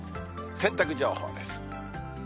洗濯情報です。